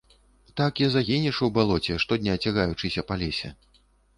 Так і загінеш у балоце, штодня цягаючыся па лесе.